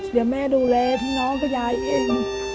เดี๋ยวแม่ดูแลพี่น้องกับยายเอง